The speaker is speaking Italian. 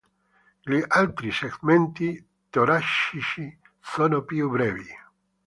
Gli altri segmenti toracici sono più brevi.